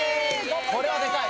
・これはでかい。